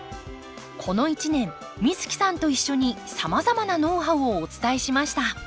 この一年美月さんと一緒にさまざまなノウハウをお伝えしました。